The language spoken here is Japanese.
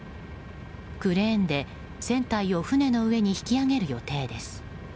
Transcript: クレーンで船体を船の上に引き揚げる予定です。